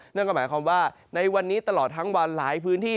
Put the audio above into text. นั่นก็หมายความว่าในวันนี้ตลอดทั้งวันหลายพื้นที่